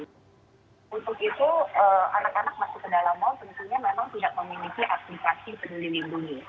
untuk itu anak anak masuk ke dalam mal tentunya memang tidak memiliki aplikasi peduli lindungi